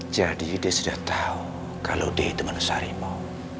jadi dia sudah tahu kalau dia itu manusia harimau